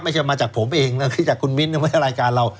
ไม่ใช่มาจากผมเองแต่คือจากคุณมิ้นท์มาให้รายการเรา